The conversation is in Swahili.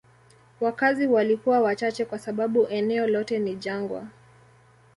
Wakazi walikuwa wachache kwa sababu eneo lote ni jangwa.